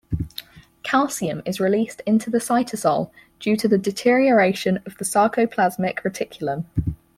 Calcium is released into the cytosol due to the deterioration of the sarcoplasmic reticulum.